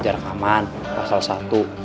jaga rekaman pasal satu